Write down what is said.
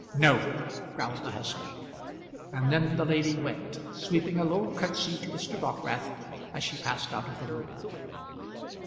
"No," growled the husband. And then the lady went, sweeping a low curtsy to Mr. Dockwrath as she passed out of the room.